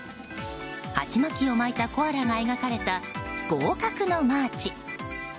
鉢巻をまいたコアラが描かれたごかくのマーチ。